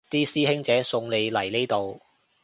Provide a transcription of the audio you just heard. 啲師兄姐送你嚟呢度